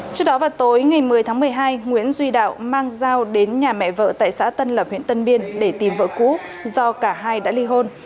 trước đó vào tối ngày một mươi tháng một mươi hai nguyễn duy đạo mang dao đến nhà mẹ vợ tại xã tân lập huyện tân biên để tìm vợ cũ do cả hai đã ly hôn